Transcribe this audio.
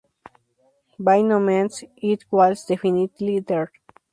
By no means: It was definitely there.